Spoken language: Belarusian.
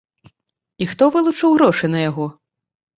І хто вылучыў грошы на яго?